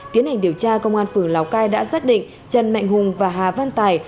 tiến hành điều tra công an phường lào cai đã xác định trần mạnh hùng và hà văn tài